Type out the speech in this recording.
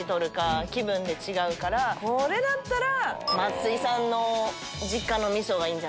これだったら。